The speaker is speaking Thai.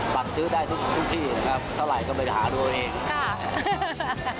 สั่งซื้อได้ทุกที่นะครับเท่าไหร่ก็ไปหาดูเอาเองค่ะ